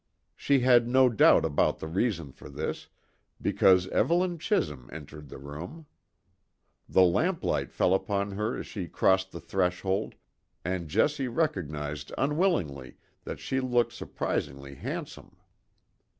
She had no doubt about the reason for this, because Evelyn Chisholm entered the room. The lamplight fell upon her as she crossed the threshold, and Jessie recognised unwillingly that she looked surprisingly handsome.